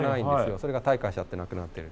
それが退化しちゃってなくなってる。